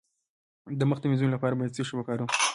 د مخ د مینځلو لپاره باید څه شی وکاروم؟